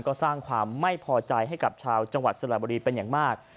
ก็สร้างความไม่พอใจให้กับชาวจังหวัดสระบุรีเป็นอย่างมาก